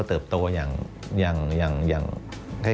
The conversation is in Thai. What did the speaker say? กระแสรักสุขภาพและการก้าวขัด